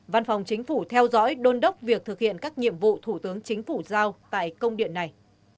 văn phòng chính phủ theo dõi đôn đốc việc thực hiện các nhiệm vụ thủ tướng chính phủ giao tại công điện này